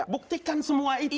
buktikan semua itu